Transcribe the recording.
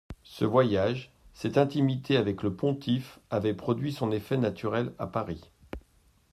Ce voyage, cette intimité avec le pontife, avait produit son effet naturel à Paris.